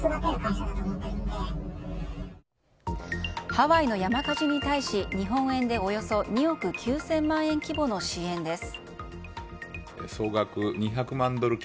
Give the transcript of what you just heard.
ハワイの山火事に対し日本円でおよそ２億９０００万円規模の支援です。